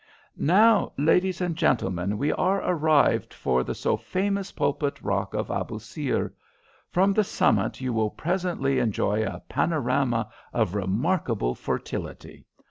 "Now, ladies and gentlemen, we are arrived for the so famous pulpit rock of Abousir. From the summit you will presently enjoy a panorama of remarkable fertility.